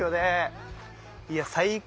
いや最高。